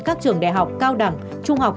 các trường đại học cao đẳng trung học